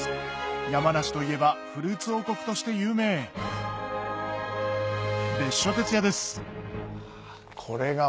山梨といえばフルーツ王国として有名別所哲也です